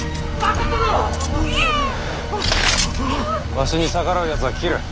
わしに逆らうやつは斬る。